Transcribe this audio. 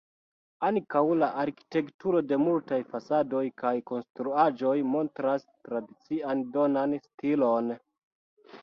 Ankaŭ la arkitekturo de multaj fasadoj kaj konstruaĵoj montras tradician danan stilon.